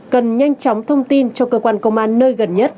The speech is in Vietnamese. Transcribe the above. cần nhanh chóng thông tin cho cơ quan công an nơi gần nhất